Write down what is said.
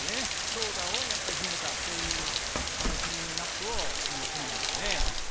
長打を秘めたそういうクリーンアップを組んでいますね。